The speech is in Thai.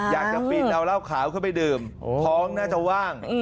อยากจะปีนเอาเหล้าขาวขึ้นไปดื่มท้องน่าจะว่าง